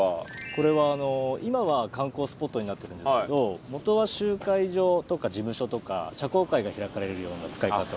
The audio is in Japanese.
これは今は観光スポットになってるんですけど元は集会場とか事務所とか社交会が開かれるような使い方を。